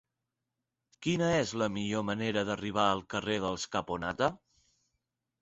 Quina és la millor manera d'arribar al carrer dels Caponata?